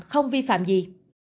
không vì pháp luật